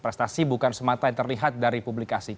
prestasi bukan semata yang terlihat dari publikasi